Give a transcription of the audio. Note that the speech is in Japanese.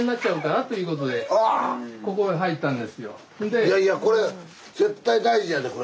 いやいやこれ絶対大事やでこれ。